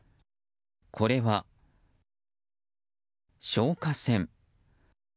これは、消火栓。